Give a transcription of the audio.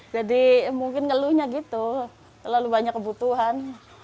jadi mungkin ngeluhnya gitu terlalu banyak kebutuhan